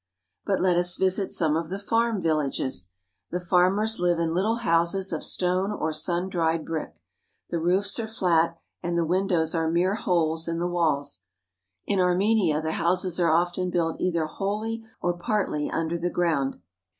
But let us visit some of the farm villages. The farmers live in little houses of stone or sun dried brick. The roofs are flat, and the windows are mere holes in the walls. In Armenia the houses are often built either wholly or partly under the ground.